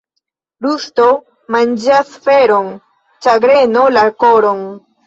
Rusto manĝas feron, ĉagreno la koron.